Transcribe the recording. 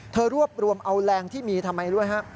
รวบรวมเอาแรงที่มีทำไมด้วยฮะ